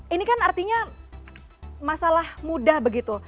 ini kan artinya masalah mudah begitu